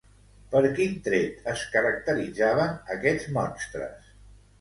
Per quin tret es caracteritzaven aquests monstres?